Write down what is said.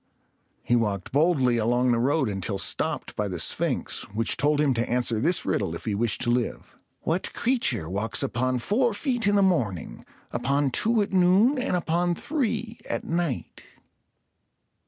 He walked boldly along the road until stopped by the Sphinx, which told him to answer this riddle if he wished to live: "What creature walks upon four feet in the morning, upon two at noon, and upon three at night?"